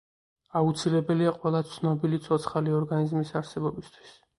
აუცილებელია ყველა ცნობილი ცოცხალი ორგანიზმის არსებობისთვის.